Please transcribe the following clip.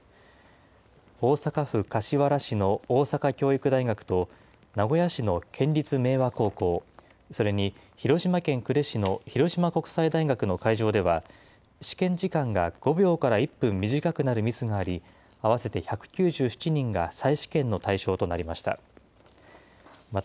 大阪府柏原市の大阪教育大学と、名古屋市の県立明和高校、それに広島県呉市の広島国際大学の会場では、試験時間が５秒から１分短くなるミスがあり、合わせて１９７人が再試験の対象となりました。